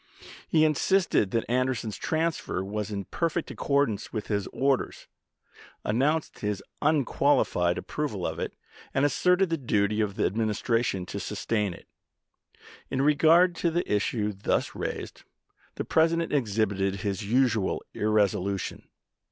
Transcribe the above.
He insisted that Anderson's transfer was in perfect accordance with his orders, announced his unqual ified approval of it, and asserted the duty of the Administration to sustain it. In regard to the issue thus raised, the President exhibited his usual irresolution.